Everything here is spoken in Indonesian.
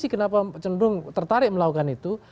kenapa cenderung tertarik melakukan itu